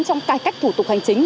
trong cải cách thủ tục hành chính